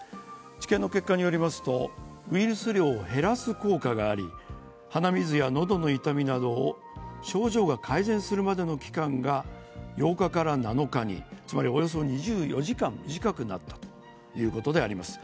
治験の結果によりますとウイルス量を減らす効果があり鼻水や喉の痛みなどの症状が改善するまでの期間が８日から７日、つまりおよそ２４時間短くなったということであります。